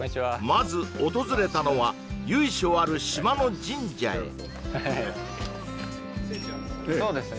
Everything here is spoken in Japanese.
まず訪れたのは由緒ある島の神社へ聖地なんですか？